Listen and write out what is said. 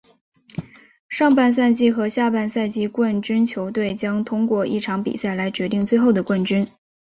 上半赛季和下半赛季冠军球队将通过一场比赛来决定最后的冠军。